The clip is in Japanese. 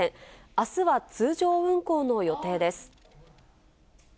あすは通常運行の予定です。